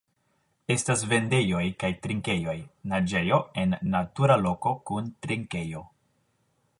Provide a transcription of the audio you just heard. Estas vendejoj kaj trinkejoj, naĝejo en natura loko kun trinkejo.